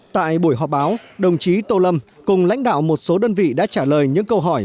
tại buổi họp báo đồng chí tô lâm cùng lãnh đạo một số đơn vị đã trả lời những câu hỏi